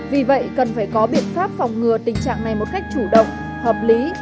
vì vậy cần phải có biện pháp phòng ngừa tình trạng này một cách chủ động hợp lý